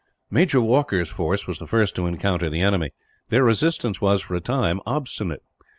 Major Walker's force was the first to encounter the enemy. Their resistance was, for a time, obstinate.